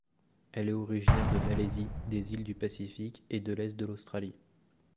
Elle est originaire de Malaisie, des îles du Pacifique et de l'est de l'Australie.